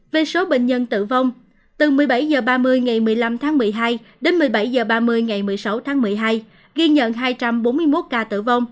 về số bệnh nhân tử vong từ một mươi bảy h ba mươi ngày một mươi năm tháng một mươi hai đến một mươi bảy h ba mươi ngày một mươi sáu tháng một mươi hai ghi nhận hai trăm bốn mươi một ca tử vong